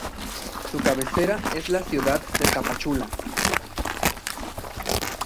Su cabecera es la ciudad de Tapachula.